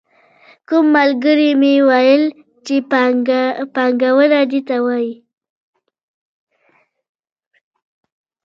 کوم ملګري مې ویل چې پانګونه دې ته وايي.